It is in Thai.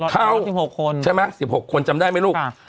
เข้า๑๖คนใช่ไหม๑๖คนจำได้ไหมลูก